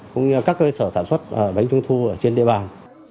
cũng như các cơ sở sản xuất bánh trung thu trên đề bàn